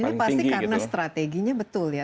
tapi pasti karena strateginya betul ya